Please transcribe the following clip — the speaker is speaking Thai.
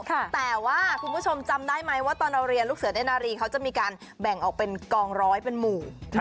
แต่ว่าคุณผู้ชมจำได้ไหมว่าตอนเราเรียนลูกเสือได้นารีเขาจะมีการแบ่งออกเป็นกองร้อยเป็นหมู่